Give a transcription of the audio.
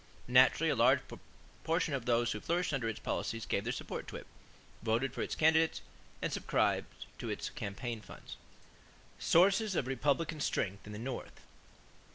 Naturally a large portion of those who flourished under its policies gave their support to it, voted for its candidates, and subscribed to its campaign funds. =Sources of Republican Strength in the North.